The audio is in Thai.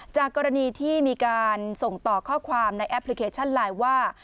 จากกรณีที่มีการส่งต่อข้อความในแอปพลิเคชันไลน์ว่า